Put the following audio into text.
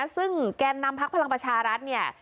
ซึ่งแกนนำพักพลังประชารัฐเนี่ย